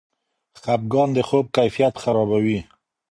خفګان د خوب کیفیت خرابوي.